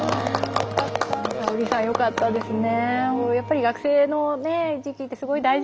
沙織さんよかったですね。